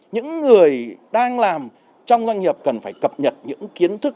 những người đang làm trong doanh nghiệp cần phải cập nhật những kiến thức